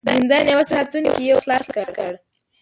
د زندان يوه ساتونکي يو ور خلاص کړ.